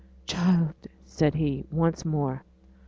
'Child,' said he, once more.